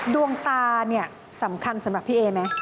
ดวงตาเนี่ยสำคัญสำหรับพี่เอไหม